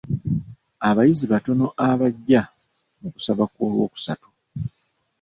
Abayizi batono abajja mu kusaba kw'olwokusatu.